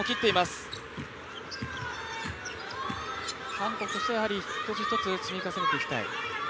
韓国としては一つ一つ積み重ねていきたい。